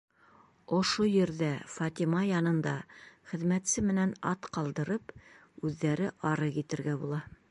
Ошо ерҙә, Фатима янында хеҙмәтсе менән ат ҡалдырып, үҙҙәре ары китергә була.